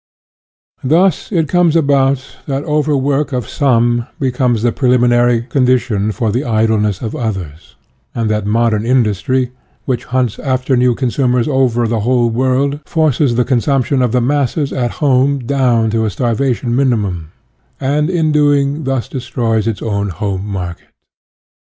Thus it comes about that over work of some becomes the preliminary condition for the idleness of others, and that modern industry, which hunts after new consumers over the whole world, forces the consumption of the masses at home down to a starvation minimum, and in doing thus destroys its own home market.